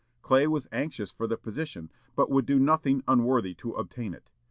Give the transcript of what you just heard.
Clay was anxious for the position, but would do nothing unworthy to obtain it.